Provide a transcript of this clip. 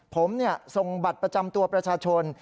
ผมส่งบัตรประจำตัวประชาชน